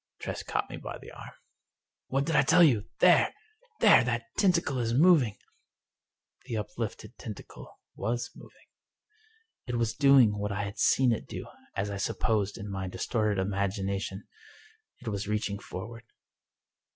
Tress caught me by the arm. " What did I tell you? There— there I That tentacle is moving." The uplifted tentacle was moving. It was doing what I had seen it do, as I supposed, in my distorted imagination —it was reaching forward.